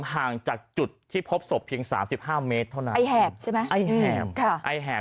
ห่างจากจุดที่พบศพเพียงสามสิบห้าเมตรเท่านั้นใช่มะไอแหบ